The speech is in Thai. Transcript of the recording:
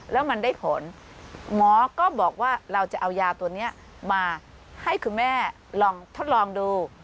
แล้วมันได้ผลหมอก็บอกว่าเราจะเอายาตัวนี้มาให้คุณแม่ลองทดลองดู